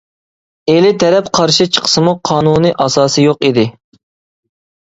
ئىلى تەرەپ قارشى چىقسىمۇ قانۇنى ئاساسىي يوق ئىدى.